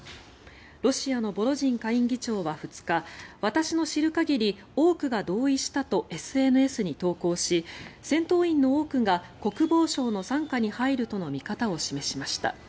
ロシアのボロジン下院議長は２日私の知る限り多くが同意したとＳＮＳに投稿し戦闘員の多くが国防省の傘下に入るとの見方を示しました。